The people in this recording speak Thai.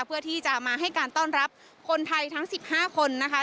เพื่อที่จะมาให้การต้อนรับคนไทยทั้ง๑๕คนนะคะ